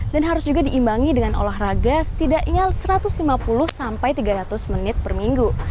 dan harus juga diimbangi dengan olahraga setidaknya satu ratus lima puluh tiga ratus menit per minggu